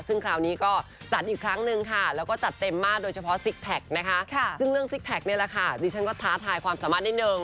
ซึ่งเรื่องซิกแพ็คเนี่ยแหละค่ะดิฉันก็ท้าทายความสามารถนิดหนึ่ง